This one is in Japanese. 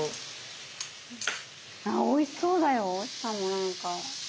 おいしそうだよしかもなんか。